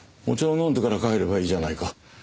お茶を飲んでから帰ればいいじゃないか。